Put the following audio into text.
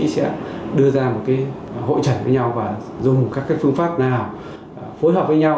sẽ đưa ra một cái hội chẩn với nhau và dùng các phương pháp nào phối hợp với nhau